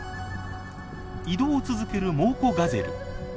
移動を続けるモウコガゼル。